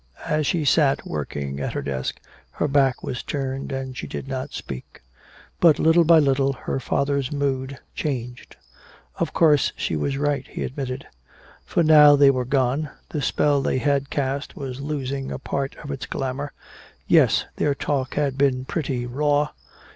As she sat working at her desk, her back was turned and she did not speak. But little by little her father's mood changed. Of course she was right, he admitted. For now they were gone, the spell they had cast was losing a part of its glamor. Yes, their talk had been pretty raw.